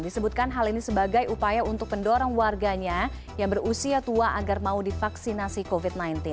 disebutkan hal ini sebagai upaya untuk mendorong warganya yang berusia tua agar mau divaksinasi covid sembilan belas